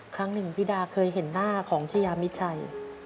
ครั้งหนึ่งพี่ดาเคยเห็นหน้าของชายามิดชัย